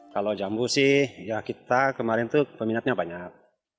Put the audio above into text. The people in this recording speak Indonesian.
kalau jambu sih ya kita kemarin tuh peminatnya banyak